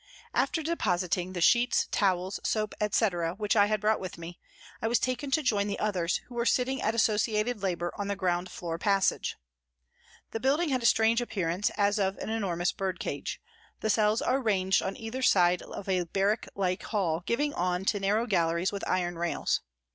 After depositing the sheets, towel, soap, etc., which P. N 178 PRISONS AND PRISONERS I had brought with me, I was taken to join the others, who were sitting at associated labour on the ground floor passage. The building had a strange appearance, as of an enormous bird cage. The cells are ranged on either side of a barrack like hall giving on to narrow galleries with iron rails.